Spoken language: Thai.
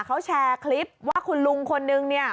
เขาแชร์คลิปว่าคุณลุงคนนึงเนี่ย